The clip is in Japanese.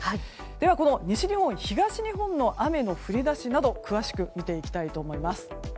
では、西日本、東日本の雨の降り出しなど詳しく見ていきたいと思います。